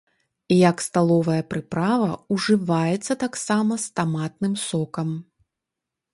Як сталовая прыправа ўжываецца таксама з таматным сокам.